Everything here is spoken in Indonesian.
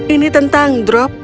ini tentang drop